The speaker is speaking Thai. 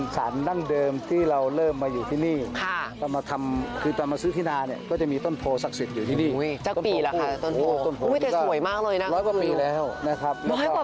อ๋อจังสินเห็นป่ะแมนนะครับอ๋อ